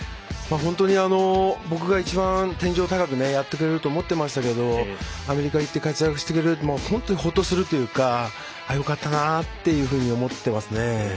本当に、僕が一番天井高くやってくれると思ってましたけどアメリカ行って活躍してくれるとほっとするというかよかったなというふうに思ってますね。